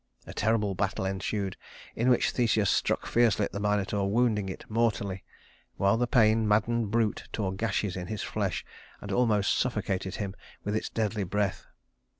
A terrible battle ensued, in which Theseus struck fiercely at the Minotaur, wounding it mortally, while the pain maddened brute tore gashes in his flesh and almost suffocated him with its deadly breath.